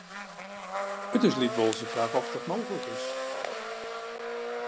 It is lykwols de fraach oft dat mooglik is.